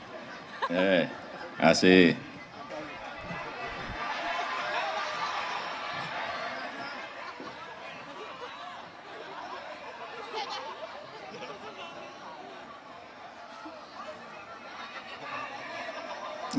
terima kasih pak khosyif